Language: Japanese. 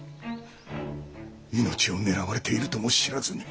命をねらわれているとも知らずに。